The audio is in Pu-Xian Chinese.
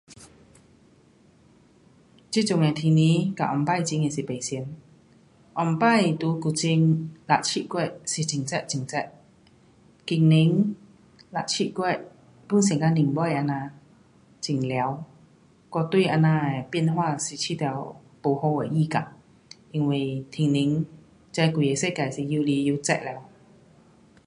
这阵的天气跟以前真的是不同。以前在古晋六七月是很热很热。今年六七月 pun 是像年尾这样。很凉。我对这样的变化是觉得不好的预感。因为天气热几个世界是越来越热了。